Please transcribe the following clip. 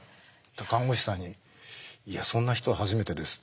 看護師さんに「いやそんな人は初めてです」って言われた。